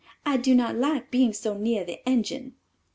I do not like being so near the engine!"